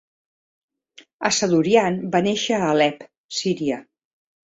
Assadourian va néixer a Alep, Síria.